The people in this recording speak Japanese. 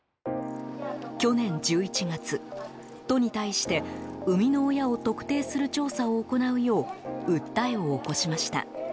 去年１１月、都に対して生みの親を特定する調査を行うよう、訴えを起こしました。